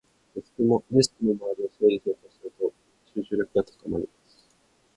デスクの周りを整理整頓すると、集中力が高まります。